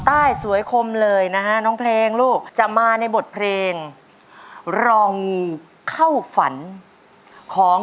ด้วยตัวฉันเอง